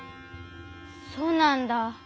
そうなんだ。